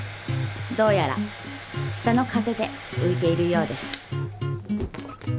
どうやら下の風で浮いているようです。